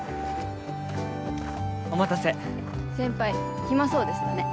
お待たせ先輩暇そうでしたね